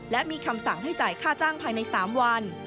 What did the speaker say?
และมีคำสั่งให้จ่ายค่าจ้างภายใน๓วัน